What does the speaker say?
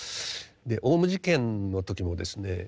オウム事件の時もですね